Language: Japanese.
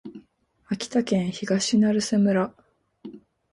秋田県東成瀬村